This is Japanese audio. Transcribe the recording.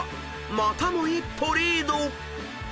［またも一歩リード］